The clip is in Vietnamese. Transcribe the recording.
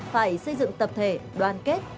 phải xây dựng tập thể đoàn kết